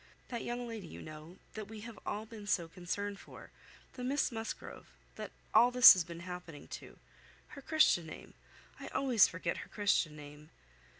That young lady, you know, that we have all been so concerned for. The Miss Musgrove, that all this has been happening to. Her Christian name: I always forget her Christian name."